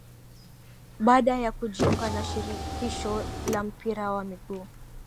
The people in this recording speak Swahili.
Baada ya kujiunga na shirikisho la mpira wa miguu